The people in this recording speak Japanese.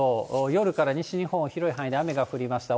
夜から西日本、広い範囲で雨が降りました。